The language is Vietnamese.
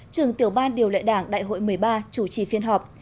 trường tiểu ban điều lệ đảng đại hội một mươi ba chủ trì phiên họp